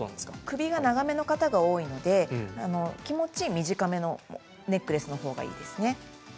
首が長めの方が多いので気持ち、短めのネックレスのほうがいいですね。